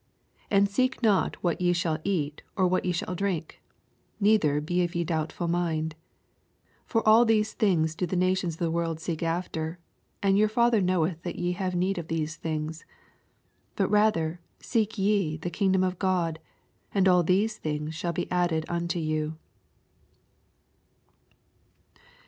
29 And seek not ye what ye shall cat, or what ye shall drink, neither be ye of doubtful mind. 80 For all these things do the na tions of the world seek after : and your Father knoweth that ye have need of these things. 81 But rather seek ye the kingdom of God ; and all these Uiings shall b<( adde I unto you.